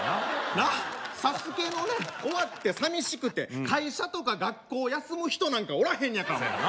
なっ「ＳＡＳＵＫＥ」のね終わってさみしくて会社とか学校休む人なんかおらへんのやからそやね